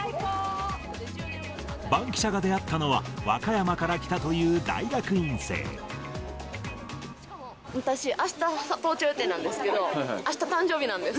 バンキシャが出会ったのは、私、あした登頂予定なんですけど、あした誕生日なんです。